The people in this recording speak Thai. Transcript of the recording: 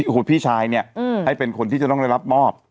โอ้โหพี่ชายเนี่ยให้เป็นคนที่จะต้องได้รับมอบ